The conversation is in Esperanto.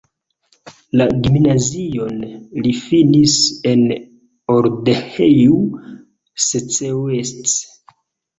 La gimnazion li finis en Odorheiu Secuiesc.